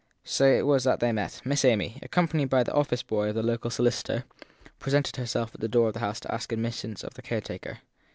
So it was that they met: Miss Amy, accompanied by the office boy of the local solicitor, presented herself at the door of the house to ask admittance of the caretaker.